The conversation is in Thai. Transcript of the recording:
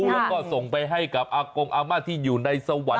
แล้วก็ส่งไปให้กับอากงอาม่าที่อยู่ในสวรรค์